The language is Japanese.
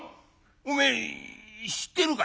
おめえ知ってるか？」。